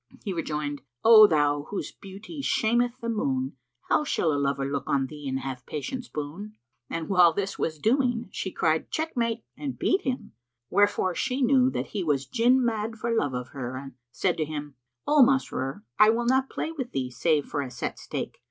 He rejoined, "O thou whose beauty shameth the moon, how shall a lover look on thee and have patience boon?" And while this was doing she cried, "Checkmate[FN#322]!" and beat him; wherefore she knew that he was Jinn mad for love of her and said to him, "O Masrur, I will not play with thee save for a set stake."